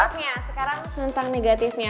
sekarang tentang negatifnya